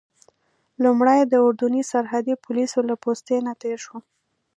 لومړی د اردني سرحدي پولیسو له پوستې نه تېر شوم.